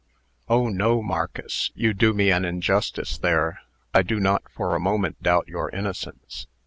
"Oh, no, Marcus! You do me injustice there. I do not for a moment doubt your innocence.